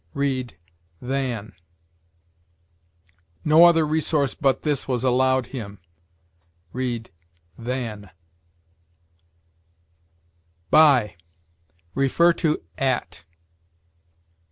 read, than. "No other resource but this was allowed him": read, than. BY. See AT.